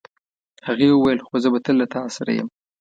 هغې وویل خو زه به تل له تا سره یم.